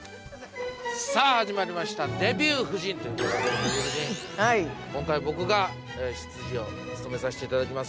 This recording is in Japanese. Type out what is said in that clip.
◆さあ、始まりましたデビュー夫人ということでデヴィ夫人、今回、僕が執事を務めさせていただきます。